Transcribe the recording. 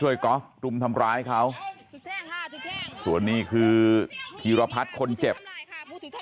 ยุดก่อน